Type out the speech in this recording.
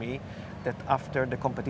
setelah perubahan di bali